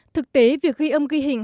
thực tế việc ghi âm ghi hình